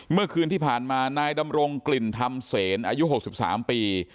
เมื่อคืนที่ผ่านมานายดำรงกลิ่นธรรมเสนอายุ๖๓ปี